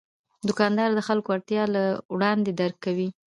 دوکاندار د خلکو اړتیا له وړاندې درک کوي.